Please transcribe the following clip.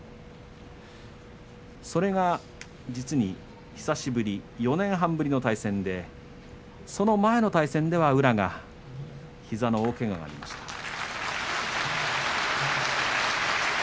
それが実に久しぶり４年半ぶりの対戦でその前の対戦では宇良が膝の大けががありました。